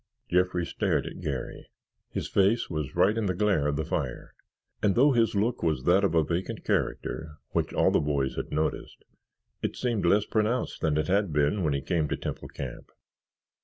Jeffrey stared at Garry. His face was right in the glare of the fire and though his look was of that vacant character which all the boys had noticed, it seemed less pronounced than it had been when he came to Temple Camp.